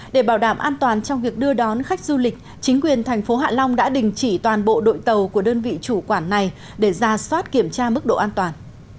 để bảo đảm an toàn trong việc đưa đón khách du lịch chính quyền thành phố hạ long đã đình chỉ toàn bộ đội tàu của đơn vị chủ quản này để ra soát kiểm tra mức độ an toàn